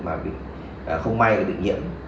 mà không may được nhiễm